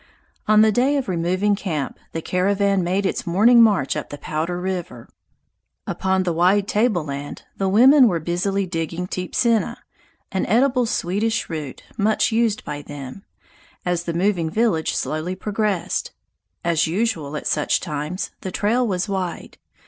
On the day of removing camp the caravan made its morning march up the Powder River. Upon the wide table land the women were busily digging teepsinna (an edible sweetish root, much used by them) as the moving village slowly progressed. As usual at such times, the trail was wide.